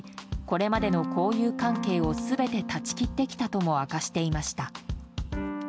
これまでの交友関係を全て断ち切ってきたとも明かしていました。